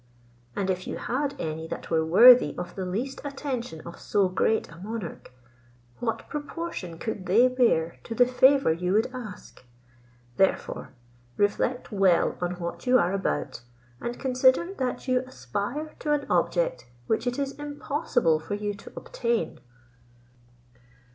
And if you had any that were worthy of the least attention of so great a monarch, what proportion could they bear to the favour you would ask? Therefore, reflect well on what you are about, and consider, that you aspire to an object which it is impossible for you to obtain."